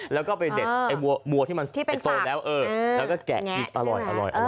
แล้วก็ไปเด็ดไอ้บัวที่มันโตแล้วแล้วก็แกะกินอร่อย